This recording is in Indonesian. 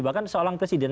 bahkan seorang presiden